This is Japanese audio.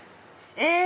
え！